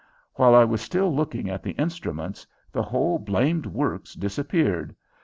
While I was still looking at the instruments the whole blamed works disappeared.